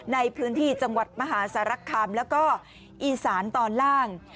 ในพื้นที่จังหวัดมหาสารคามแล้วก็อีสานตอนล่าง